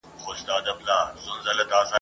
بې وسلې وو وارخطا په زړه اوتر وو ..